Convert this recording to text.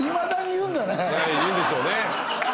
言うんでしょうね。